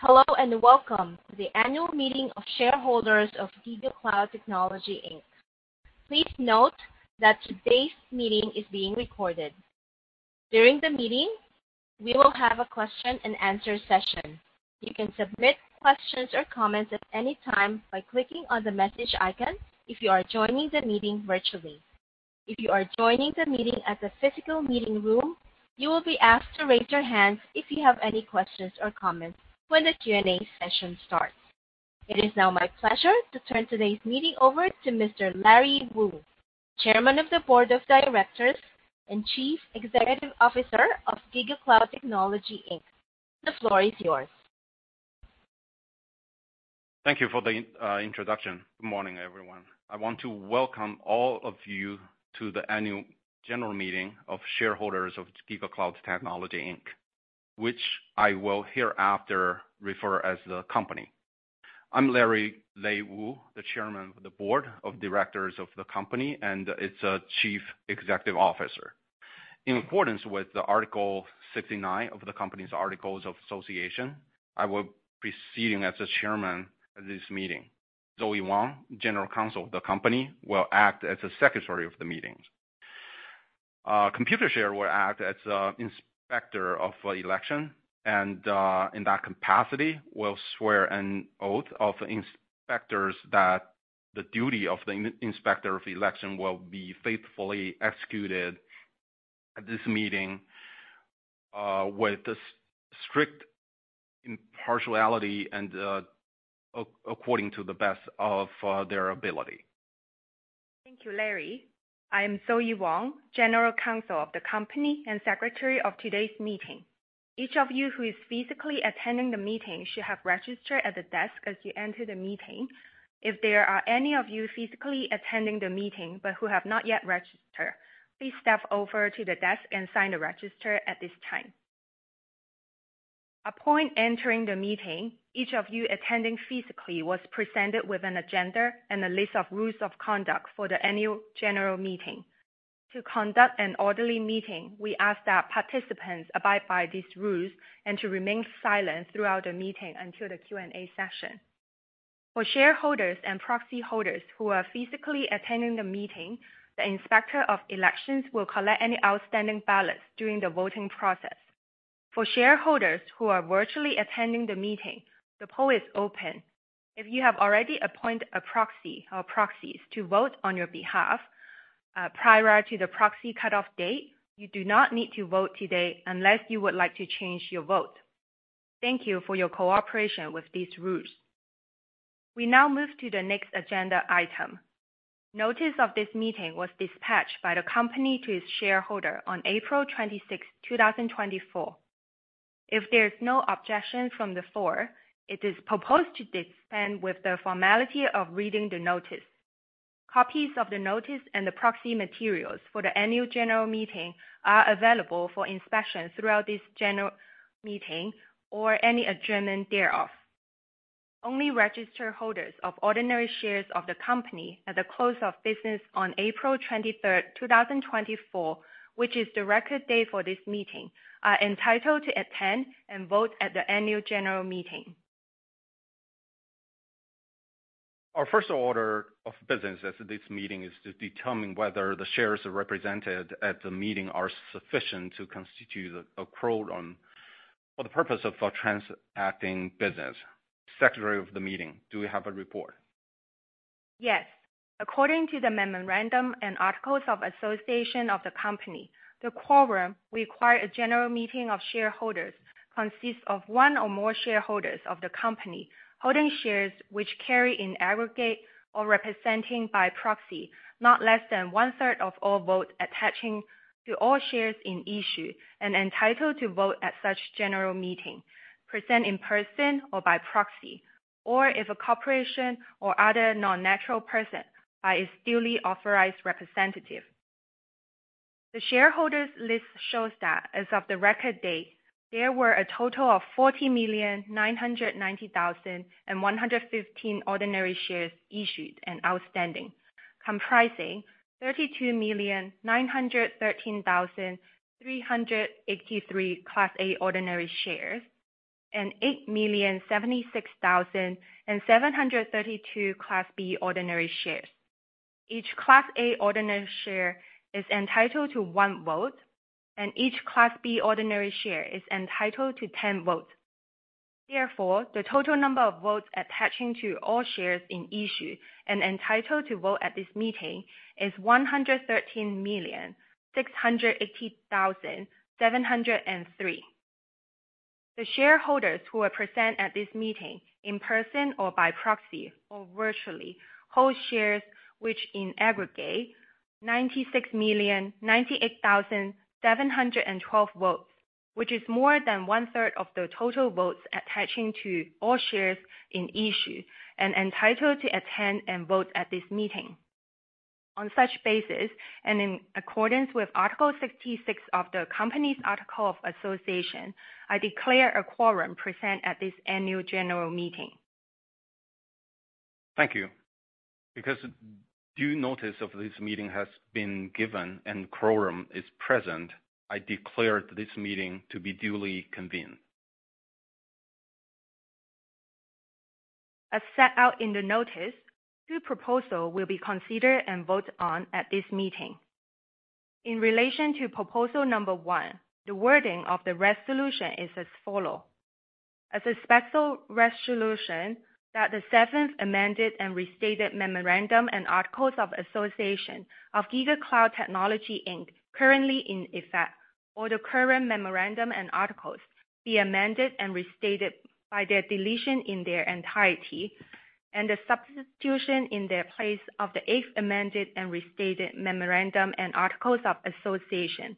Hello and welcome to the annual meeting of shareholders of GigaCloud Technology Inc. Please note that today's meeting is being recorded. During the meeting, we will have a question and answer session. You can submit questions or comments at any time by clicking on the message icon. If you are joining the meeting virtually. If you are joining the meeting at the physical meeting room, you will be asked to raise your hands if you have any questions or comments when the Q and A session starts. It is now my pleasure to turn today's meeting over to Mr. Larry Wu, Chairman of the Board of Directors and Chief Executive Officer of GigaCloud Technology Inc. The floor is yours. Thank you for the introduction. Good morning, everyone. I want to welcome all of you to the annual general meeting of shareholders of GigaCloud Technology, Inc., which I will hereafter refer as the Company. I'm Larry Lei Wu, the Chairman of the Board of Directors of the Company and its Chief Executive Officer. In accordance with Article 69 of the Company's Articles of Association, I will proceed as the Chairman of this meeting. Zoe Wong, General Counsel of the Company, will act as a Secretary of the meeting. Computershare will act as Inspector of Election and in that capacity will swear an oath of inspectors that the duty of the Inspector of Election will be faithfully executed at this meeting with strict impartiality and according to the best of their ability Thank you, Larry. I am Zoe Wong, General Counsel of the Company and Secretary of today's meeting. Each of you who is physically attending the meeting should have registered at the desk as you enter the meeting. If there are any of you physically attending the meeting, but who have not yet registered, please step over to the desk and sign the register at this time. Upon entering the meeting, each of you attending physically was presented with an agenda and a list of rules of conduct for the Annual General Meeting. To conduct an orderly meeting, we ask that participants abide by these rules and to remain silent throughout the meeting until the Q&A session. For shareholders and proxy holders who are physically attending the meeting, the Inspector of Election will collect any outstanding ballots during the voting process. For shareholders who are virtually attending the meeting, the poll is open. If you have already appointed a proxy or proxies to vote on your behalf prior to the proxy cutoff date, you do not need to vote today unless you would like to change your vote. Thank you for your cooperation with these rules. We now move to the next agenda item. Notice of this meeting was dispatched by the Company to its shareholder on April 26, 2024. If there is no objection from the floor, it is proposed to dispense with the formality of reading the notice. Copies of the notice and the proxy materials for the Annual General Meeting are available for inspection throughout this General Meeting or any adjournment thereof. Only registered holders of ordinary shares of the Company at the close of business on April 23, 2024, which is the record date for this meeting, are entitled to attend and vote at the Annual General Meeting. Our first order of business at this meeting is to determine whether the shares represented at the meeting are sufficient to constitute a quorum for the purpose of transacting business. Secretary of the meeting, do you have a report? Yes. According to the Memorandum and Articles of Association of the Company, the quorum require a general meeting of shareholders consists of one or more shareholders of the Company holding shares which carry in aggregate or represented by proxy not less than 1/3 of all votes attaching to all shares in issue and entitled to vote at such general meeting present in person or by proxy or if a corporation or other non-natural person by its duly authorized representative. The shareholders list shows that as of the record date there were a total of 40,990,115 ordinary shares issued and outstanding, comprising 32,913,383 Class A Ordinary Shares and 8,076,732 Class B Ordinary Shares. Each Class A Ordinary share is entitled to one vote and each Class B Ordinary share is entitled to 10 votes. Therefore, the total number of votes attaching to all shares in issue and entitled to vote at this meeting is 113,680,600. The shareholders who were present at this meeting in person or by proxy or virtually hold shares which in aggregate 96,098,712 votes, which is more than 1/3 of the total votes attaching to all shares in issue and entitled to attend and vote at this meeting. On such basis and in accordance with Article 66 of the Company's Articles of Association, I declare a quorum present at this Annual General Meeting. Thank you. Because due notice of this meeting has been given and quorum is present, I declared this meeting to be duly convened. As set out in the notice. Two proposals will be considered and voted on at this meeting. In relation to proposal number one, the wording of the resolution is as follows. A special resolution that the 7th Amended and Restated Memorandum and Articles of Association of GigaCloud Technology Inc. currently in effect or the current memorandum and articles be amended and restated by their deletion in their entirety and the substitution in their place of the 8th Amended and Restated Memorandum and Articles of Association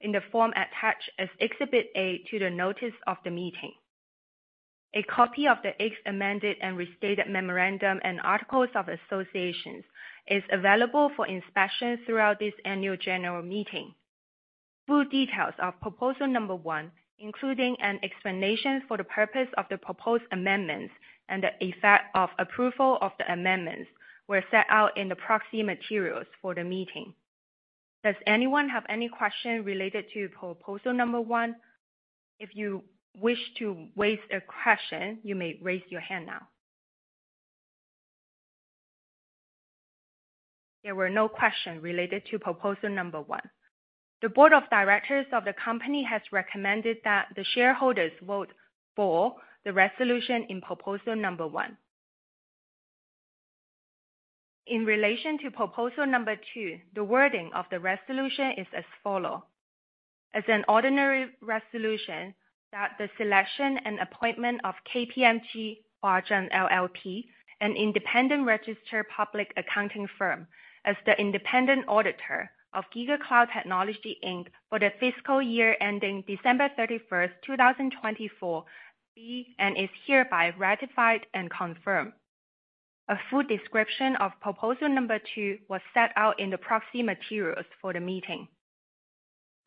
in the form attached as Exhibit A to the notice of the meeting. A copy of the 8th Amended and Restated Memorandum and Articles of Association is available for inspection throughout this annual general meeting. Full details of proposal number one, including an explanation for the purpose of the proposed amendments and the effect of approval of the amendments were set out in the proxy materials for the meeting. Does anyone have any question related to proposal number one? If you wish to raise a question, you may raise your hand now. There were no questions related to proposal number one. The Board of Directors of the Company has recommended that the shareholders vote for the resolution in proposal number one. In relation to proposal number two, the wording of the resolution is as follow as an ordinary resolution that the selection and appointment of KPMG Huazhen LLP, an independent registered public accounting firm as the independent auditor of GigaCloud Technology Inc. for the fiscal year ending December 31st, 2024 and is hereby ratified and confirmed. A full description of proposal number 2 was set out in the proxy materials for the meeting.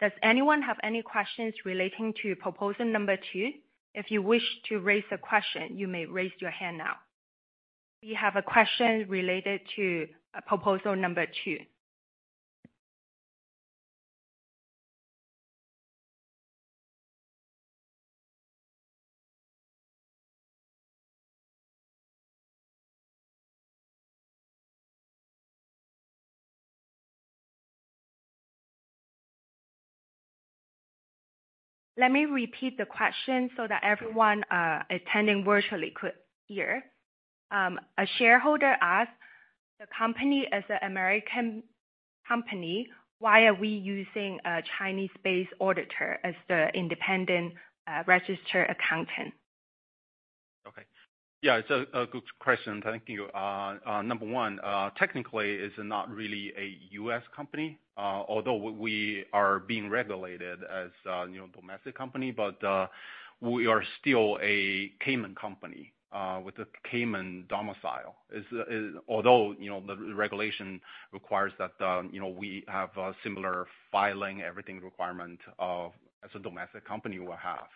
Does anyone have any questions relating to proposal number 2? If you wish to raise a question, you may raise your hand. Now we have a question related to proposal number 2. Let me repeat the question so that everyone attending virtually could hear. A shareholder asked the Company is an American company. Why are we using a Chinese-based auditor as the independent registered accountant? Okay, yeah, it's a good question. Thank you. Number one, technically it's not really a U.S. company although we are being regulated as a domestic company, but we are still a Cayman company with a Cayman domicile. It's although the regulation requires that we have similar filing everything requirement as a domestic company will have.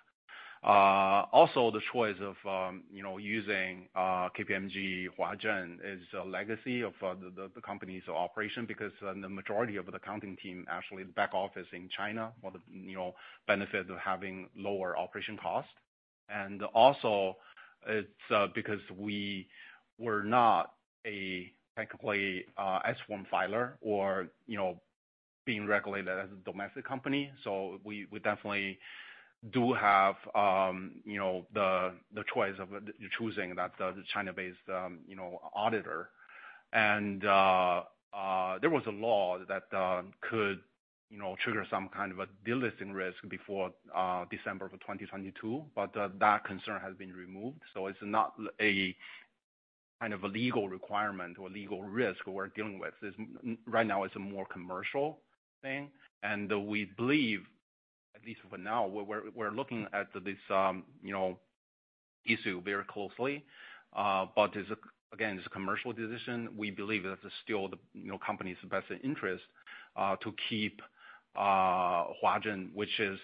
Also the choice of using KPMG Huazhen is a legacy of the Company's operation because the majority of the accounting team actually back office in China for the benefit of having lower operation cost. And also it's because we were not a technically S-form filer or you know, being regulated as a domestic company. So we definitely do have, you know, the choice of choosing that the China-based, you know, auditor and there was a law that could, you know, trigger some kind of a delisting risk before December of 2022. But that concern has been removed. So it's not a kind of a legal requirement or legal risk we're dealing with right now. It's a more commercial thing and we believe, at least for now, we're looking at this issue very closely. But again it's a commercial decision. We believe that it's still the Company's best interest to keep Huazhen, which is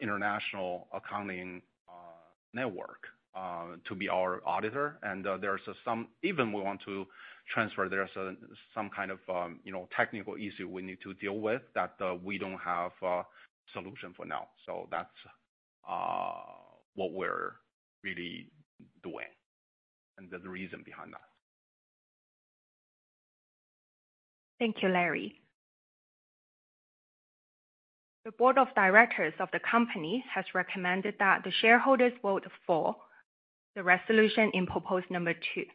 international accounting network to be our auditor. And there are some even we want to transfer. There's some kind of, you know, technical issue we need to deal with that we don't have solution for now. So that's what we're really doing and the reason behind that. Thank you, Larry. The Board of Directors of the Company has recommended that the shareholders vote for the resolution in proposal number two.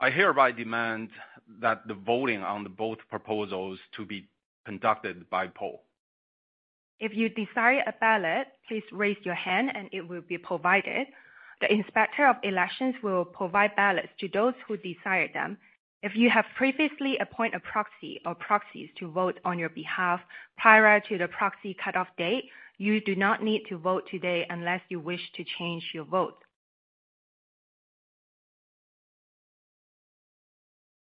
I hereby demand that the voting on both proposals to be conducted by poll. If you desire a ballot, please raise your hand and it will be provided. The Inspector of Election will provide ballots to those who desire them. If you have previously appointed a proxy or proxies to vote on your behalf prior to the proxy cutoff date, you do not need to vote today unless you wish to change your vote.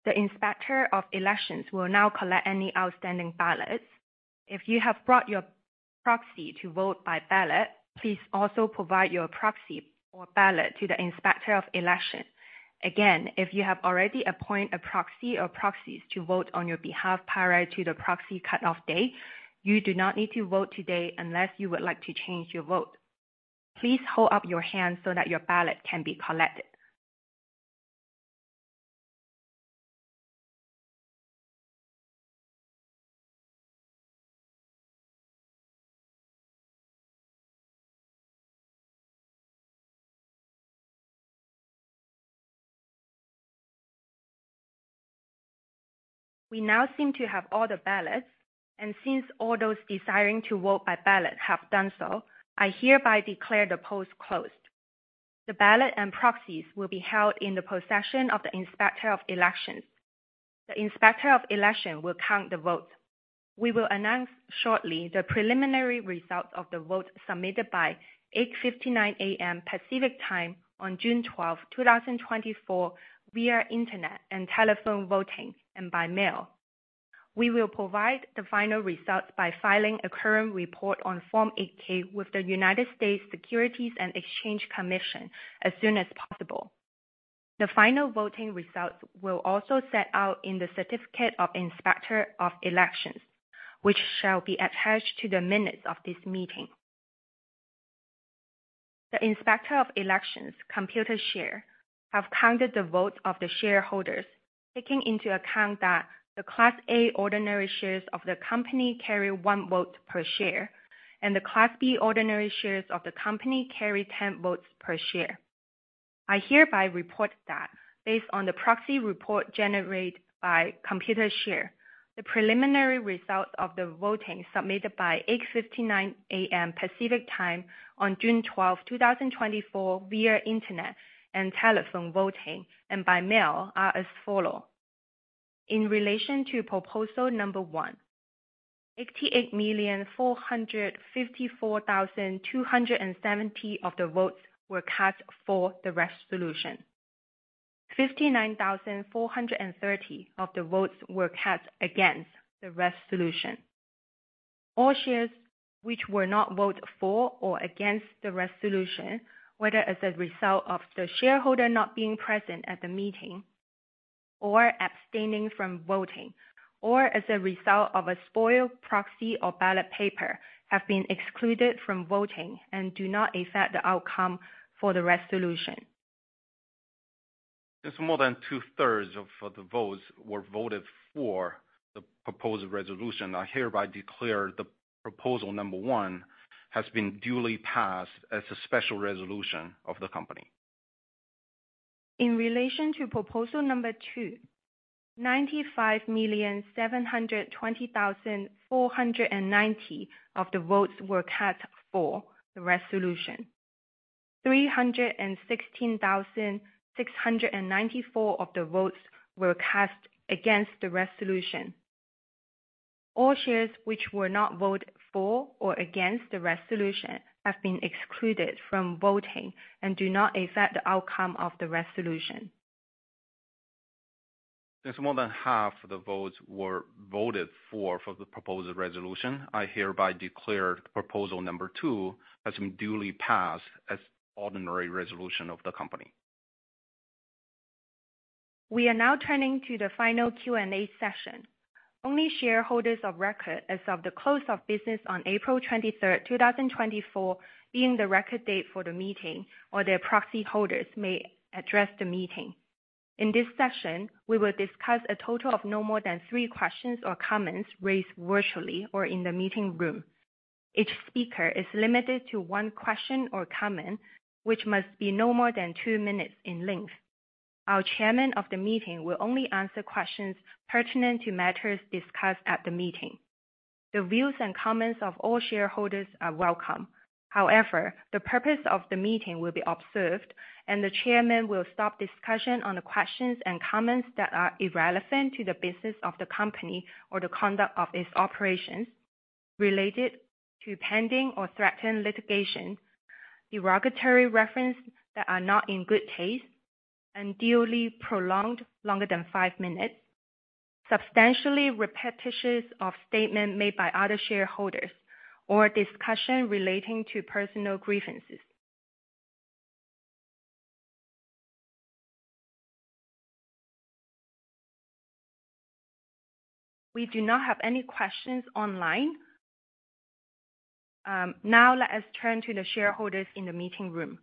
The Inspector of Election will now collect any outstanding ballots. If you have brought your proxy to vote by ballot, please also provide your proxy or ballot to the Inspector of Election. Again, if you have already appoint a proxy or proxies to vote on your behalf prior to the proxy cutoff day, you do not need to vote today unless you would like to change your vote. Please hold up your hand so that your ballot can be collected. We now seem to have all the ballots and since all those desiring to vote by ballot have done so, I hereby declare the polls closed. The ballot and proxies will be held in the possession of the Inspector of Election. The Inspector of Election will count the votes. We will announce shortly the preliminary result of the vote submitted by 8:59 A.M. Pacific Time on June 12, 2024 via Internet and telephone voting and by mail. We will provide the final results by filing a current report on Form 8-K with the United States Securities and Exchange Commission as soon as possible. The final voting results will also set out in the Certificate of Inspector of Election which shall be attached to the minutes of this meeting. The Inspector of Election Computershare have counted the votes of the shareholders taking into account that the Class A ordinary shares of the Company carry one vote per share and the Class B ordinary shares of the Company carry 10 votes per share. I hereby report that based on the proxy report generated by Computershare the preliminary result of the voting submitted by 8:59 A.M. Pacific Time on June 12, 2024 via Internet and telephone voting and by mail are as follow in relation to proposal number one 88,454,270 of the votes were cast for the resolution. 59,430 of the votes were cast against the resolution. All shares which were not voted for or against the resolution, whether as a result of the shareholder not being present at the meeting or abstaining from voting, or as a result of a spoiled proxy or ballot paper, have been excluded from voting and do not affect the outcome for the resolution. Since more than two thirds of the votes were voted for the proposed resolution, I hereby declare the proposal number one has been duly passed as a special resolution of the Company. In relation to proposal number two, 95,720,490 of the votes were cast for the resolution. 316,694 of the votes were cast against the resolution. All shares which were not voted for or against the resolution have been excluded from voting and do not affect the outcome of the resolution. Since more than half the votes were voted for the proposed resolution, I hereby declare proposal number 2 as duly passed as ordinary resolution of the Company. We are now turning to the final Q and A session. Only shareholders of record as of the close of business on April 23rd, 2024, being the record date for the meeting, or their proxy holders may address the meeting. In this session, we will discuss a total of no more than three questions or comments raised virtually or in the meeting room. Each speaker is limited to one question or comment which must be no more than two minutes in length. Our Chairman of the meeting will only answer questions pertinent to matters discussed at the meeting. The views and comments of all shareholders are welcome. However, the purpose of the meeting will be observed and the Chairman will stop discussion on the questions and comments that are deemed irrelevant to the business of the Company or the conduct of its operations related to pending or threatened litigation. Derogatory references that are not in good taste, unduly prolonged longer than five minutes, substantially repetitious of statement made by other shareholders or discussion relating to personal grievances. We do not have any questions online. Now let us turn to the shareholders in the meeting room.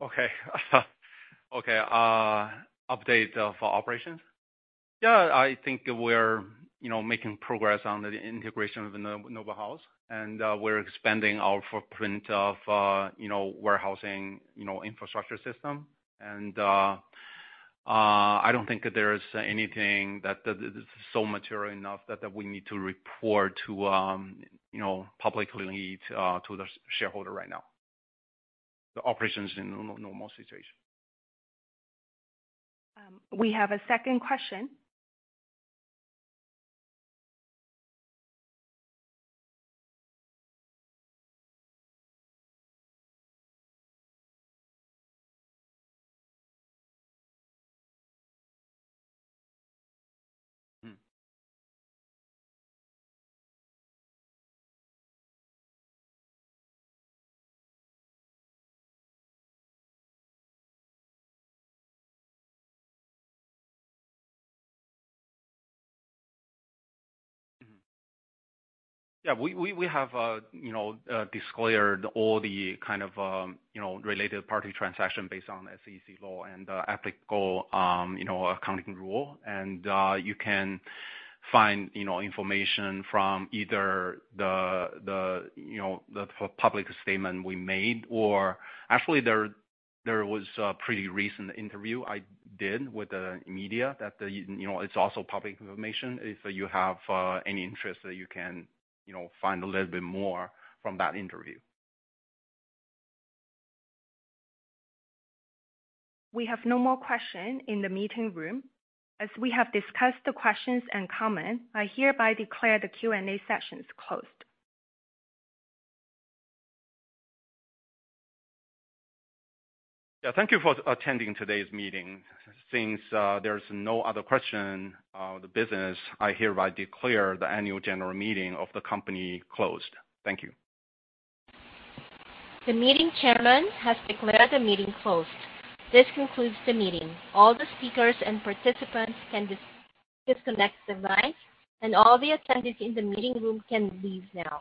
Okay. Okay. Update of operations. Yeah, I think we're making progress on the integration of Noble House and we're expanding our footprint of warehousing infrastructure system. I don't think there is anything that so material enough that we need to report to publicly to the shareholder right now. The operations in normal situation. We have a second question. Yeah, we have, you know, disclaimer all the kind of, you know, related party transaction based on SEC law and applicable, you know, accounting rule. And you can find you know, information from either the public statement we made or actually, there was a pretty recent interview I did with the media that it's also public information. If you have any interest, you can find a little bit more from that interview. We have no more question in the meeting room. As we have discussed the questions and comments, I hereby declare the Q and A sessions closed. Thank you for attending today's meeting. Since there's no other question, the business. I hereby declare the Annual General Meeting of the Company closed. Thank you. The meeting chairman has declared the meeting closed. This concludes the meeting. All the speakers and participants can disconnect the mic and all the attendees in the meeting room can leave now.